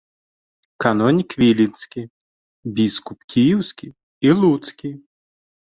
Канонік віленскі, біскуп кіеўскі і луцкі.